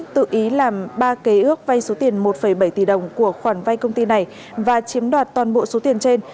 tự ý làm ba kế ước vay số tiền một bảy tỷ đồng của khoản vay công ty này và chiếm đoạt toàn bộ số tiền trên